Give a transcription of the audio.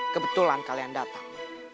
kebetulan kalian datang